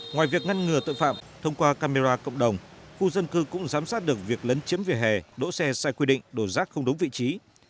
ngoài việc ngăn ngừa tội phạm thông qua camera cộng đồng khu dân cư cũng giám sát được việc lấn chiếm vỉa hè đỗ xe sai quy định đổ rác không đúng vị trí